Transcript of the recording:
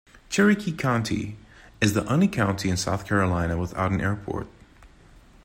Cherokee County is the only county in South Carolina without an airport.